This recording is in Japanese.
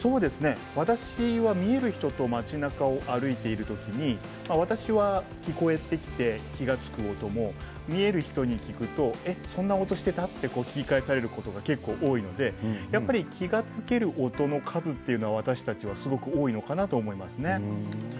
私は見える人と町なかを歩いているときに私は聞こえてきて気が付く音も見える人に聞くとそんな音してた？って聞き返されることが多いのでやっぱり気が付ける音の数っていうのは私たちは、すごく多いのかなと思いますね。